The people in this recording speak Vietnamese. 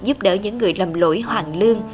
giúp đỡ những người lầm lỗi hoàng lương